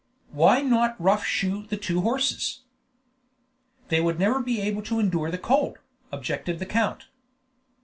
"Why not rough shoe the two horses?" "They would never be able to endure the cold," objected the count.